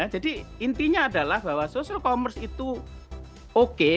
jadi intinya adalah bahwa social commerce itu oke